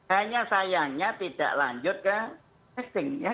hanya sayangnya tidak lanjut ke testing ya